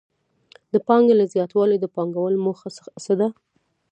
د پانګې له زیاتوالي د پانګوال موخه څه ده